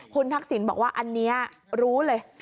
คุณทักษิณบอกว่าอันนี้รู้เลย